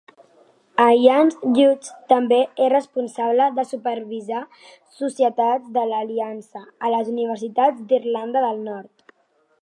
Alliance Youth també és responsable de supervisar societats de l'Aliança a les universitats d'Irlanda del Nord.